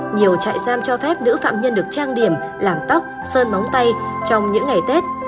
nhiều trại giam cho phép nữ phạm nhân được trang điểm làm tóc sơn móng tay trong những ngày tết